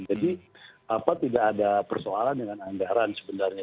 jadi tidak ada persoalan dengan anggaran sebenarnya